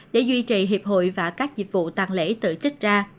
để duy trì hiệp hội và các dịch vụ tăng lễ tự trích ra